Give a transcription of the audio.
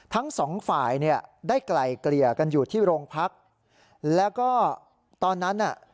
ทั้งสองฝ่ายเนี่ยได้ไกลเกลี่ยกันอยู่ที่โรงพักแล้วก็ตอนนั้นน่ะ